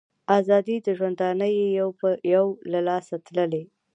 آزادۍ د ژوندانه یې یو په یو له لاسه تللي